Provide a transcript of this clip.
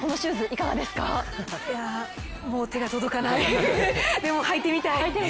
いやもう、手が届かないでも履いてみたい。